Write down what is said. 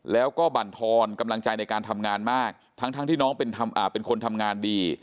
แล้วก็บรรทอนกำลังใจในการทำงานมากทั้งที่น้องเป็นคนทำงานดี